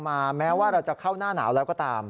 แม้ว่าเราจะเข้าหน้าหนาวแล้วก็ตาม